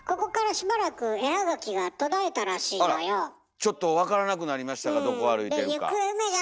ちょっと分からなくなりましたかどこ歩いてるか。